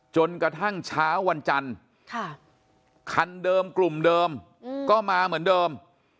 จนกระทั่งเช้าวันจันทร์คันเดิมกลุ่มเดิมก็มาเหมือนเดิม